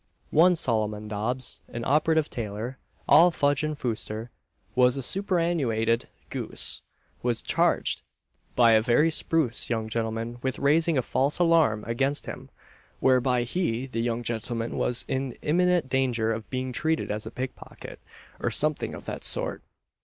One Solomon Dobbs, an operative tailor, "all fudge and fooster," like a superannuated goose, was charged by a very spruce young gentleman with raising a false alarm against him, whereby he, the young gentleman, was in imminent danger of being treated as a pickpocket, or something of that sort.